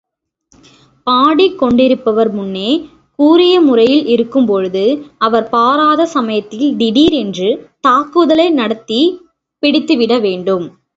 பாடிக் கொண்டிருப்பவர் முன்னே கூறிய முறையில் இருக்கும்பொழுது, அவர் பாராத சமயத்தில் திடீரென்று தாக்குதலை நடத்திப் பிடித்துவிட வேண்டும்.